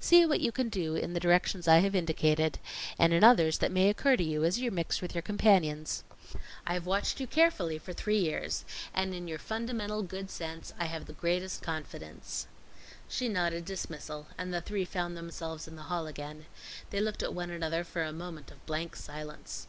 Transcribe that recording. See what you can do in the directions I have indicated and in others that may occur to you as you mix with your companions. I have watched you carefully for three years, and in your fundamental good sense, I have the greatest confidence." She nodded dismissal, and the three found themselves in the hall again. They looked at one another for a moment of blank silence.